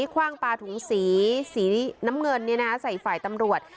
คว่างปลาถุงสีสีน้ำเงินใส่ฝ่ายตำรวจ